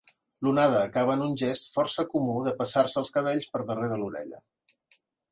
L'onada acaba en un gest força comú de passar-se els cabells per darrere l'orella.